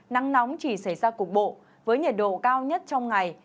nắng nóng chỉ xảy ra cục bộ với nhiệt độ cao nhất trong ngày